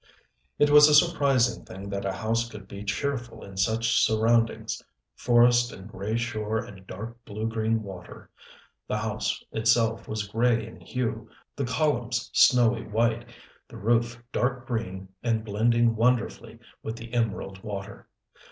It was a surprising thing that a house could be cheerful in such surroundings: forest and gray shore and dark blue green water. The house itself was gray in hue, the columns snowy white, the roof dark green and blending wonderfully with the emerald water.